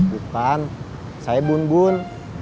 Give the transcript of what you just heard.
bukan saya bun bun